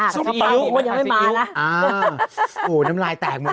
สิ้วน้ำลายแตกหมดเลย